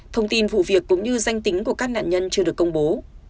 thông tin vụ việc cũng như danh tính của các nạn nhân chưa được công bố